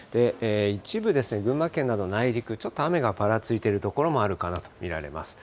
一部、群馬県などの内陸、ちょっと雨がぱらついている所もあるかなと見られます。